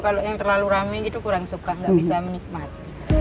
kalau rame gitu kurang suka gak bisa menikmati